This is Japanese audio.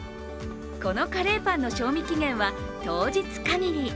このカレーパンの賞味期限は当日限り。